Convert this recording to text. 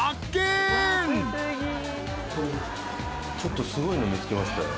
ちょっとすごいの見つけましたよ。